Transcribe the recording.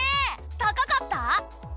高かった？